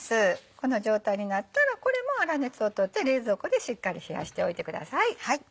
この状態になったらこれも粗熱を取って冷蔵庫でしっかり冷やしておいてください。